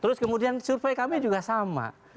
terus kemudian survei kami juga sama